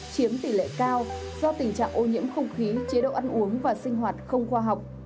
chiếm tỷ lệ cao do tình trạng ô nhiễm không khí chế độ ăn uống và sinh hoạt không khoa học